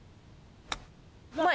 うまい！